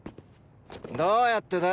どーやってだ？